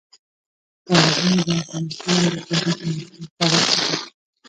تالابونه د افغانستان د ښاري پراختیا یو سبب دی.